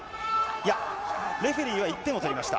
いや、レフェリーは１点を取りました。